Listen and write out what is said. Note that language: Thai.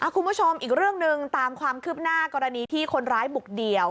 คุณผู้ชมอีกเรื่องหนึ่งตามความคืบหน้ากรณีที่คนร้ายบุกเดี่ยว